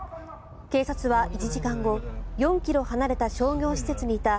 警察は１時間後４ｋｍ離れた商業施設にいた